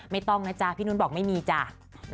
ไม่ต้องนะจ๊ะพี่นุ้นบอกไม่มีจ้ะ